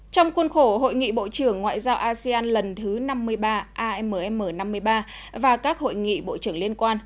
trong khuôn khổ hội nghị bộ trưởng ngoại giao asean lần thứ năm mươi ba amm năm mươi ba và các hội nghị bộ trưởng liên quan